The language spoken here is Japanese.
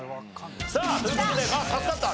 さあという事でまあ助かった。